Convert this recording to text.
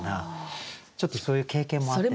ちょっとそういう経験もあって。